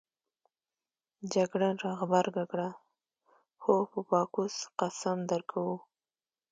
جګړن راغبرګه کړه: هو په باکوس قسم درکوو.